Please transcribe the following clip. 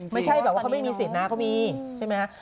ไม่ใช่แบบว่าเขาไม่มีสิทธิ์นะเขามีใช่ไหมฮะ